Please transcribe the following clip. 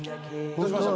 どうしました？